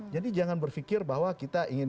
jadi jangan berpikir bahwa kita ingin